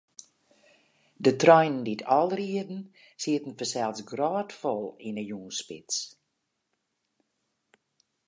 De treinen dy't ál rieden, sieten fansels grôtfol yn 'e jûnsspits.